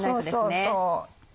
そうそう。